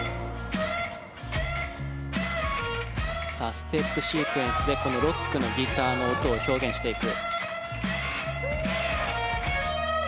ステップシークエンスでこのロックのギターの音を表現していく。